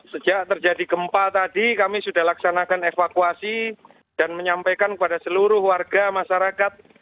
sejak terjadi gempa tadi kami sudah laksanakan evakuasi dan menyampaikan kepada seluruh warga masyarakat